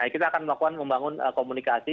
kita akan membangun komunikasi